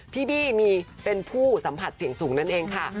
พี่บี้มีเป็นผู้สัมผัสเสี่ยงสูงนั่นเองค่ะ